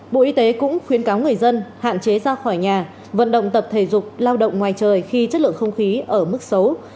bộ y tế cũng khuyến cáo người dân hạn chế ra khỏi nhà vận động tập thể dục lao động ngoài trời khi chất lượng không khí ở mức xấu